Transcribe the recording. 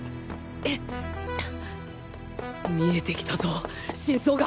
見えてきたぞ真相が！